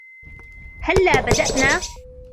هلا بدأنا ؟